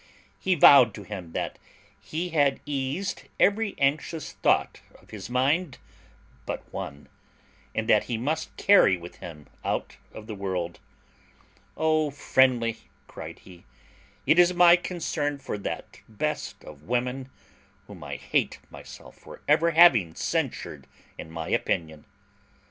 He vowed to him that he had eased every anxious thought of his mind but one, and that he must carry with him out of the world. "O Friendly!" cried he, "it is my concern for that best of women, whom I hate myself for having ever censured in my opinion.